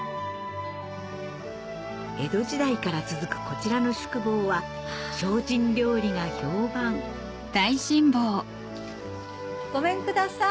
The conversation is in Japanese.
江戸時代から続くこちらの宿坊は精進料理が評判ごめんください。